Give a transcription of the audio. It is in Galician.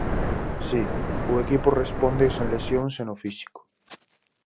Si, o equipo responde sen lesións e no físico...